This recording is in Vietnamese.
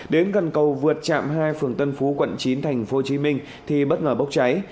đến gần cầu vượt chạm hai phường tân phú quận chín thành phố hồ chí minh thì bất ngờ bốc cháy